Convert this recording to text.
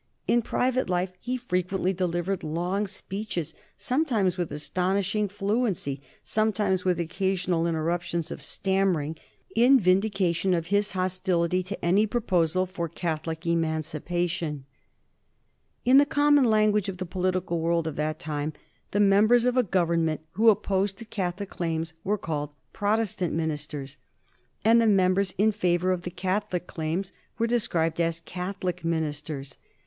In private life he frequently delivered long speeches, sometimes with astonishing fluency, sometimes with occasional interruptions of stammering, in vindication of his hostility to any proposal for Catholic Emancipation. [Sidenote: 1827 Lord Liverpool's successor] In the common language of the political world of that time the members of a Government who opposed the Catholic claims were called Protestant ministers, and the members in favor of the Catholic claims were described as Catholic ministers.